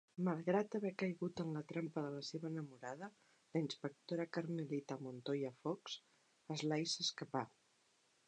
Malgrat haver caigut en la trampa de la seva enamorada, la inspectora Carmelita Montoya Fox, Sly s'escapa.